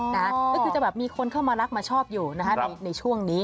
ก็คือจะแบบมีคนเข้ามารักมาชอบอยู่นะคะในช่วงนี้